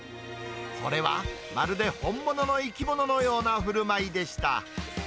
それはまるで本物の生き物のようなふるまいでした。